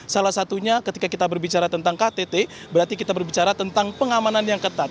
salah satunya ketika kita berbicara tentang ktt berarti kita berbicara tentang pengamanan yang ketat